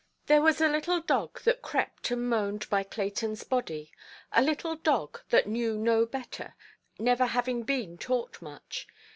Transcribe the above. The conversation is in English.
There was a little dog that crept and moaned by Claytonʼs body, a little dog that knew no better, never having been taught much.